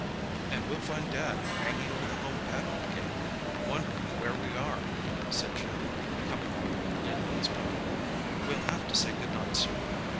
"And we'll find Dad hanging over the home paddock gate, wondering where we are," said Jim, coming up, leading his pony. "We'll have to say good night, sir."